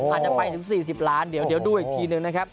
อาจจะไปถึง๔๐ล้านเดี๋ยวดูอีกทีหนึ่งนะครับ